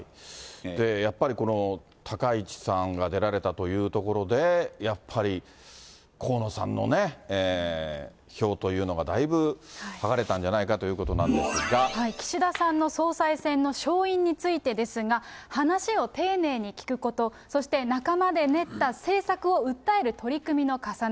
やっぱり、この高市さんが出られたというところで、やっぱり、河野さんの票というのがだいぶ離れたんじゃないかということなん岸田さんの総裁選の勝因についてですが、話を丁寧に聞くこと、そして仲間で練った政策を訴える取り組みの重ね。